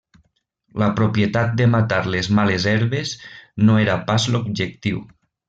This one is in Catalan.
La propietat de matar les males herbes no era pas l'objectiu.